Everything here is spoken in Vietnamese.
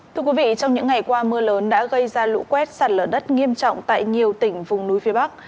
thưa quý vị trong những ngày qua mưa lớn đã gây ra lũ quét sạt lở đất nghiêm trọng tại nhiều tỉnh vùng núi phía bắc